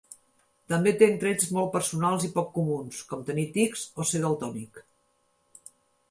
També tenc trets molt personals i poc comuns, com tenir tics o ser daltònic.